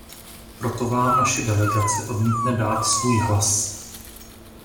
Proto vám naše delegace odmítne dát svůj hlas.